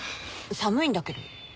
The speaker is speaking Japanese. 寒いんだけど。